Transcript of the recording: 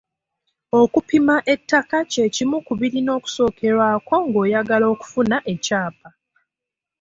Okupima ettaka kye kimu ku birina okusookerwako ng’oyagala okufuna ekyapa.